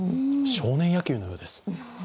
少年野球のようです。